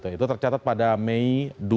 itu tercatat pada mei dua ribu delapan